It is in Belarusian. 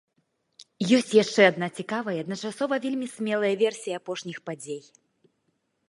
Ёсць яшчэ адна цікавая і адначасова вельмі смелая версія апошніх падзей.